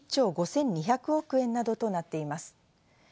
今後への備えに１兆５２００億円などとなっています。